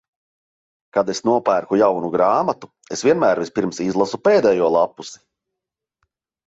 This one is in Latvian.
Kad es nopērku jaunu grāmatu, es vienmēr vispirms izlasu pēdējo lappusi.